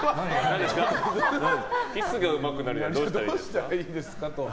キスがうまくなるにはどうしたらいいですか？と。